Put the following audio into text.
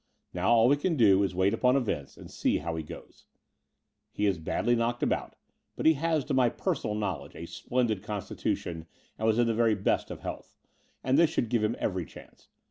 Now all we can do is to wait upon events and see how he goes on. He is badly knocked about, but he has, to my personal knowledge, a splendid constitution, and was in the very best of health; and this should give him every chance.